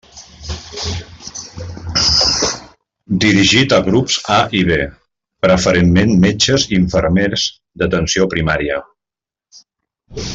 Dirigit a grups A i B; preferentment metges i infermers d'atenció primària.